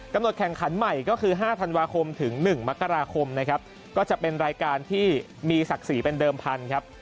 แข่งขันใหม่ก็คือ๕ธันวาคมถึง๑มกราคมนะครับก็จะเป็นรายการที่มีศักดิ์ศรีเป็นเดิมพันธุ์ครับ